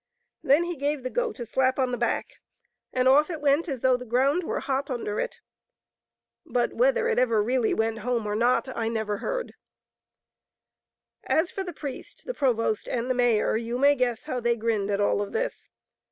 Then he gave the goat a slap on the back, and off it went ^a^ferjfarobfabqy ^tj^bbctigoaf fototom as though the ground were hot under it. But whether it ever really went home or not, I never heard. As for the priest, the provost, and the mayor, you may guess how they grinned at all of this.